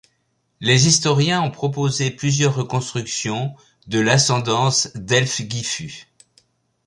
Les historiens ont proposé plusieurs reconstructions de l'ascendance d'Ælfgifu.